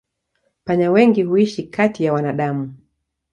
Panya wengi huishi kati ya wanadamu.